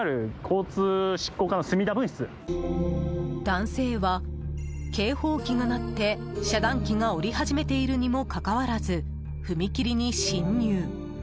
男性は警報器が鳴って遮断機が下り始めているにもかかわらず踏切に進入。